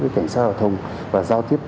với cảnh sát giao thông và giao tiếp